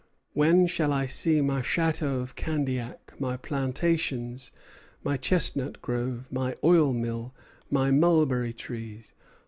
When shall I see my château of Candiac, my plantations, my chestnut grove, my oil mill, my mulberry trees?